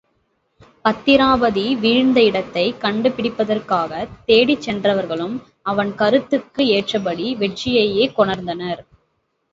பத்திராபதி வீழ்ந்த இடத்தைக் கண்டுபிடிப்பதற்காகத் தேடிச் சென்றவர்களும் அவன் கருத்துக்கு ஏற்றபடி வெற்றியையே கொணர்ந்தனர்.